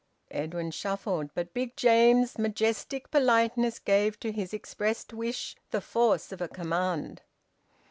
Edwin shuffled. But Big James's majestic politeness gave to his expressed wish the force of a command.